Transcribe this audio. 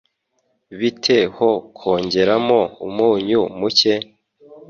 Bite ho kongeramo umunyu muke?